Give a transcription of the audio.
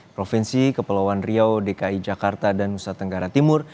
provinsi kepulauan riau dki jakarta dan nusa tenggara timur